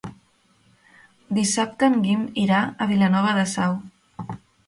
Dissabte en Guim irà a Vilanova de Sau.